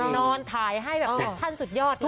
นอนถ่ายให้แบบแซคชั่นสุดยอดเลย